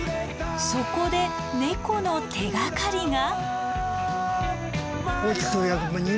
そこで猫の手がかりが！？